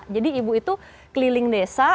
jadi ibu itu keliling desa